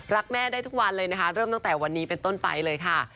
แม่ได้ทุกวันเลยนะคะเริ่มตั้งแต่วันนี้เป็นต้นไปเลยค่ะ